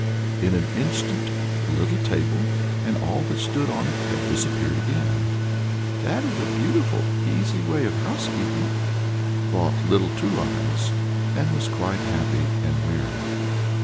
In an instant the little table, and all that stood on it, had disappeared again. "That is a beautiful, easy way of housekeeping," thought Little Two Eyes, and was quite happy and merry.